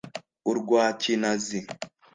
urwa Kinazi